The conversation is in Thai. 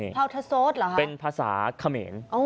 พภาวเธอโซสเหรอครับเป็นภาษาเขมน